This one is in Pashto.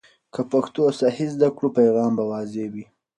که پښتو صحیح زده کړو، پیغام به واضح وي.